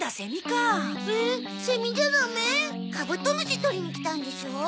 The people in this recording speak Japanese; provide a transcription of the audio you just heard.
カブトムシ捕りに来たんでしょ。